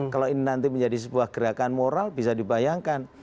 kalau ini nanti menjadi sebuah gerakan moral bisa dibayangkan